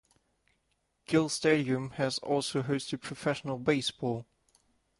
Gill Stadium has also hosted professional baseball.